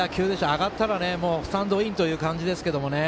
上がったらスタンドインという感じですけど。